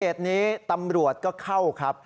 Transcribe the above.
ในเกษตร์นี้ตำรวจก็เข้าครับ